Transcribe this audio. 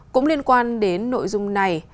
cũng liên quan đến nội dung này